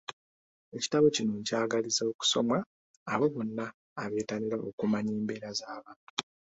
Ekitabo kino nkyagaliza okusomwa abo bonna abettanira okumanya embeera z'abantu.